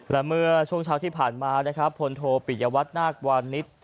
และเมื่อช่วงเช้าที่ผ่านมานะครับพลโทปิยวัตนาควานิส